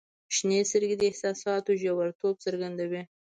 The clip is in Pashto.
• شنې سترګې د احساساتو ژوریتوب څرګندوي.